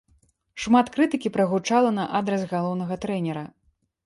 Шмат крытыкі прагучала на адрас галоўнага трэнера.